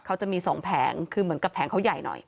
เขาจะมีสองแผงคือเหมือนกับแผงเขาใหญ่หน่อย